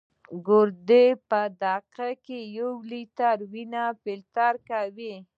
ګردې په دقیقه کې یو لیټر وینه فلټر کوي.